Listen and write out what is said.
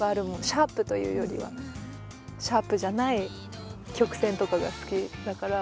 シャープというよりはシャープじゃない曲線とかが好きだから。